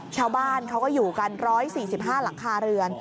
ชาวบ้านเขาก็อยู่กัน๑๔๕หลังคาเรือน